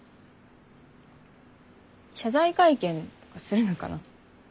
謝罪会見とかするのかな。